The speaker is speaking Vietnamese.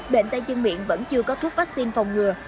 bệnh tay chân miệng vẫn chưa có thuốc vaccine phòng ngừa